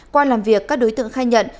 qua làm việc các đối tượng khai nhận